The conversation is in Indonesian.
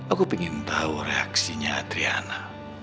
aku pingin tau reaksinya adriana